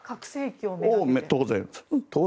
当然。